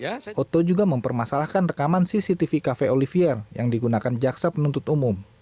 otto juga mempermasalahkan rekaman cctv cafe olivier yang digunakan jaksa penuntut umum